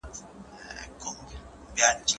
د مثبتو اړیکو جوړول د کار فضا سالمه ساتي.